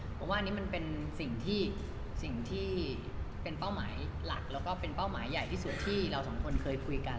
เพราะว่าอันนี้มันเป็นสิ่งที่สิ่งที่เป็นเป้าหมายหลักแล้วก็เป็นเป้าหมายใหญ่ที่สุดที่เราสองคนเคยคุยกัน